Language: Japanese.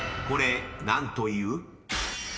［これ何という？］